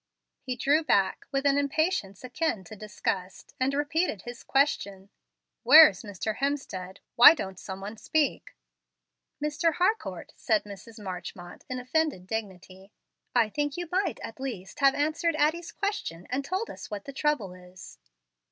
He drew back, with an impatience akin to disgust, and repeated his question: "Where is Mr. Hemstead? Why don't some one speak?" "Mr. Harcourt," said Mrs. Marchmont, in offended dignity, "I think you might, at least, have answered Addie's question and told us what the trouble is."